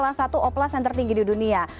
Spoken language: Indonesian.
salah satu oplas yang tertinggi di dunia